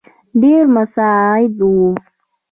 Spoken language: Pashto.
ډېر مساعد وو.